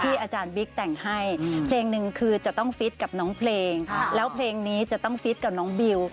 อาจารย์บิ๊กแต่งให้เพลงหนึ่งคือจะต้องฟิตกับน้องเพลงแล้วเพลงนี้จะต้องฟิตกับน้องบิว